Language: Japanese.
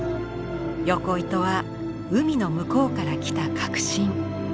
横糸は海の向こうから来た革新。